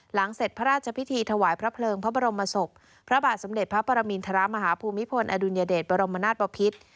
เสร็จพระราชพิธีถวายพระเพลิงพระบรมศพพระบาทสมเด็จพระปรมินทรมาฮภูมิพลอดุลยเดชบรมนาศปภิษ